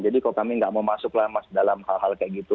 jadi kok kami gak mau masuk dalam hal hal kayak gitu